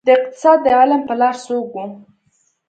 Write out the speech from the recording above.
د اقتصاد د علم پلار څوک وه؟